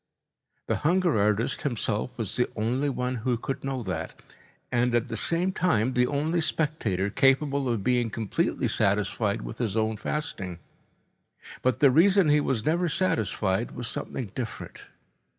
The hunger artist himself was the only one who could know that and, at the same time, the only spectator capable of being completely satisfied with his own fasting. But the reason he was never satisfied was something different.